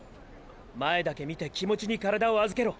前だけ見て気持ちに体をあずけろ。